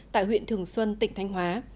tại huyện thường xuân tỉnh thanh hóa